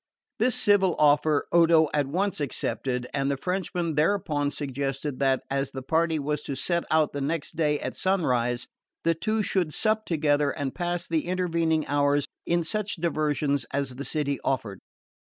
This civil offer Odo at once accepted, and the Frenchman thereupon suggested that, as the party was to set out the next day at sunrise, the two should sup together and pass the intervening hours in such diversions as the city offered.